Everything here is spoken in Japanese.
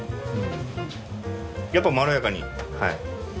やっぱまろやかに。